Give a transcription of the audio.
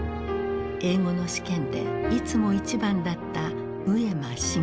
英語の試験でいつも一番だった上間繁子。